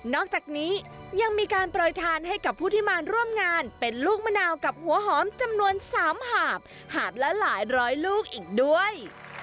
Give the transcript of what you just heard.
อกจากนี้ยังมีการโปรยทานให้กับผู้ที่มาร่วมงานเป็นลูกมะนาวกับหัวหอมจำนวน๓หาบหาบละหลายร้อยลูกอีกด้วย